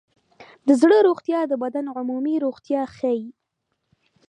د زړه روغتیا د بدن عمومي روغتیا ښيي.